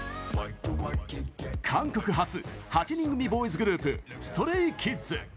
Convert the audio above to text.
韓国発、８人組ボーイズグループＳｔｒａｙＫｉｄｓ。